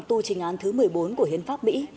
tu trình án thứ một mươi bốn của hiến pháp mỹ